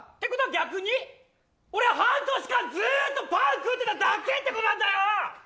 逆に俺は半年間ずっとパン食っただだけってことなんだよ。